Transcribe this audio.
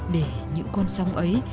để những con sống ấy